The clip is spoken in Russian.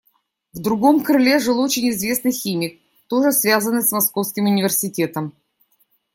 В другом крыле жил очень известный химик, тоже связанный с Московским университетом.